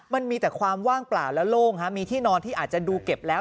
มันมีแต่ความว่างเปล่าและโล่งมีที่นอนที่อาจจะดูเก็บแล้ว